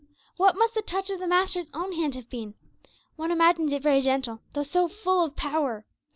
What must the touch of the Master's own hand have been! One imagines it very gentle, though so full of power.